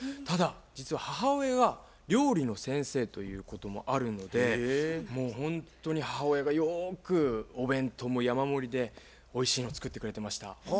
ただ実は母親が料理の先生ということもあるのでもうほんとに母親がよくお弁当も山盛りでおいしいのを作ってくれてました。